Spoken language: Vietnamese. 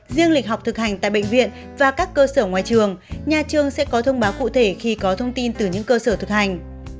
riêng lịch học thực hành tại bệnh viện và các cơ sở ngoài trường nhà trường sẽ có thông báo cụ thể khi có thông tin từ những cơ sở thực hành